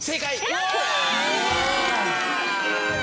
やった！